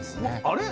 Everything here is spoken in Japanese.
あれ？